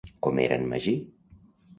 Com era en Magí?